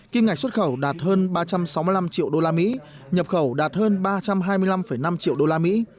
kim ngạch xuất khẩu đạt hơn ba trăm sáu mươi năm triệu đô la mỹ nhập khẩu đạt hơn ba trăm hai mươi năm năm triệu đô la mỹ